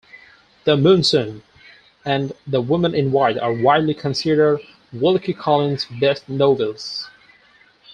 "The Moonstone" and "The Woman in White" are widely considered Wilkie Collins' best novels.